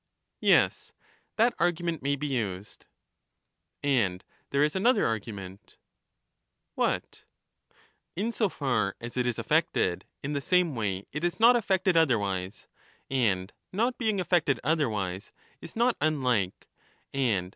Yes, that argument may be used. And there is another ailment. What? In so far as it is affected in the same way it is not affected From otherwise, and not being affected otherwise is not unlike, and ^?